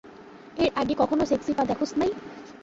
এর আগে কখনও সেক্সি পা দেখোছ নাই?